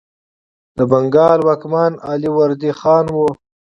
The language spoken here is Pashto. د بنګال واکمن علي وردي خان و.